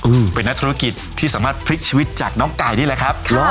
อืมเป็นนักธุรกิจที่สามารถพลิกชีวิตจากน้องไก่นี่แหละครับเหรอ